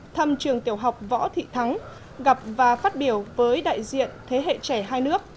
thăm trường tiểu học võ thị thắng gặp và phát biểu với đại diện thế hệ trẻ hai nước